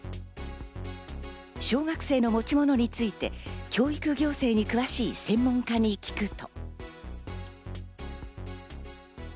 小学生の持ち物について教育行政に詳しい専門家に聞くと。